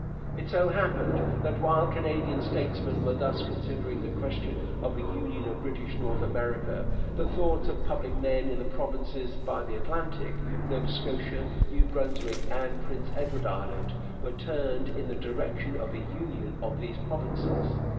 It so happened that, while Canadian statesmen were thus considering the question of a union of British North America, the thoughts of public men in the provinces by the Atlantic Nova Scotia, New Brunswick, and Prince Edward Island were turned in the direction of a union of these provinces.